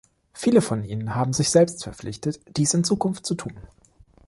Viele von ihnen haben sich selbst verpflichtet, dies in Zukunft zu tun.